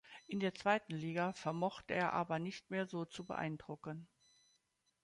In der Zweiten Liga vermochte er aber nicht mehr so zu beeindrucken.